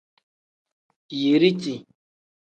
Yiriti.